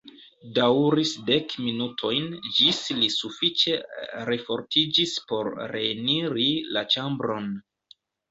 Daŭris dek minutojn ĝis li sufiĉe refortiĝis por reeniri la ĉambron.